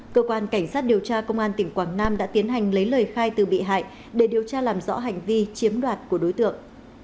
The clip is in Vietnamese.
cơ quan cảnh sát điều tra công an tỉnh quảng nam đã tiến hành lấy lời khai từ bị hại để điều tra làm rõ hành vi chiếm đoạt của đối tượng